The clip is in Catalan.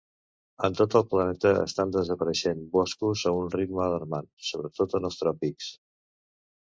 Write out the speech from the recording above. En tot el planeta estan desapareixent boscos a un ritme alarmant, sobretot en els tròpics.